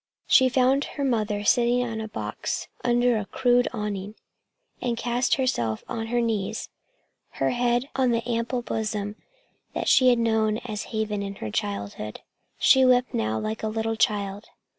She found her mother sitting on a box under a crude awning, and cast herself on her knees, her head on that ample bosom that she had known as haven in her childhood. She wept now like a little child.